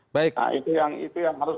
nah itu yang harus